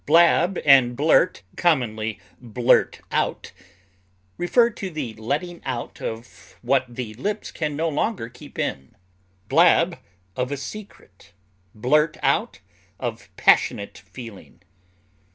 Blab and blurt (commonly blurt out) refer to the letting out of what the lips can no longer keep in; blab, of a secret; blurt out, of passionate feeling.